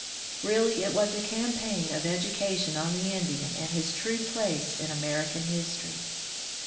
Really it was a campaign of education on the Indian and his true place in American history.